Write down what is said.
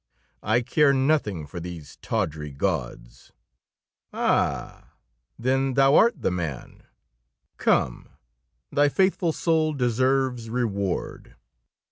"I care nothing for these tawdry gauds." "Ah! Then thou'rt the man. Come, thy faithful soul deserves reward.